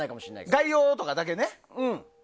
概要とかだけね。